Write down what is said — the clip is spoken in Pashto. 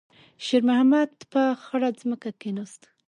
شېرمحمد په خړه ځمکه کېناست.